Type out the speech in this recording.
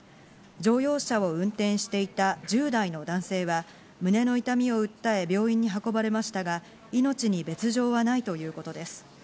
乗用車を運転していた１０代の男性は胸の痛みを訴え、病院に運ばれましたが、命に別条はないということです。